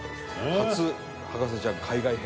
初『博士ちゃん』海外編。